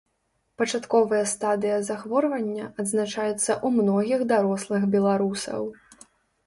Пачатковая стадыя захворвання адзначаецца ў многіх дарослых беларусаў.